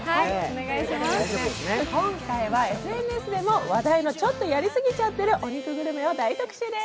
今回はＳＮＳでも話題の、ちょっとやりすぎちゃってるお肉グルメを大特集です。